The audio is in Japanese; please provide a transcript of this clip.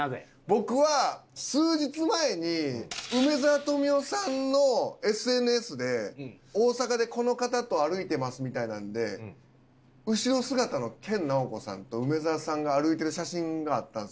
僕は数日前に梅沢富美男さんのＳＮＳで「大阪でこの方と歩いてます」みたいなので後ろ姿の研ナオコさんと梅沢さんが歩いてる写真があったんですよ。